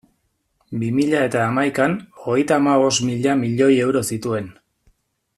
Bi mila eta hamaikan, hogeita hamabost mila milioi euro zituen.